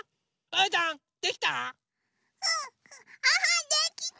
うーたんできた？